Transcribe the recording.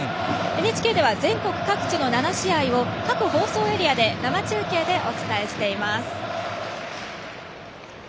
ＮＨＫでは全国各地の７試合を各放送エリアで生中継でお伝えします。